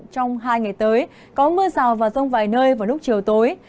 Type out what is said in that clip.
trong hai ngày tới có mưa rào và rông vài nơi vào lúc chiều tối